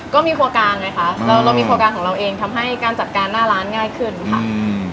ก็มีโครงการไงคะเราเรามีโครงการของเราเองทำให้การจัดการหน้าร้านง่ายขึ้นค่ะอืม